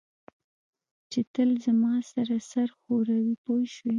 چې تل زما سره سر ښوروي پوه شوې!.